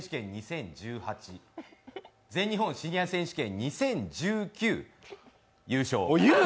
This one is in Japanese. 全日本シニア選手権２０１８